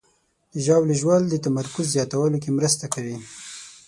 د ژاولې ژوول د تمرکز زیاتولو کې مرسته کوي.